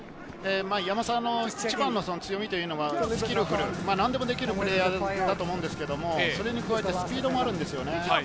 山沢の一番の強みというのはスキルの高さ、なんでもできるというところだと思うんですけれど、それに加えてスピードもあるんですよね。